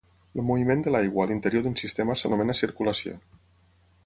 El moviment de l'aigua a l'interior d'un sistema s'anomena circulació.